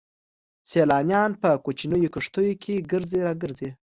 سيلانيان په کوچنيو کښتيو کې ګرځي را ګرځي.